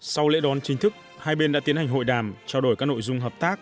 sau lễ đón chính thức hai bên đã tiến hành hội đàm trao đổi các nội dung hợp tác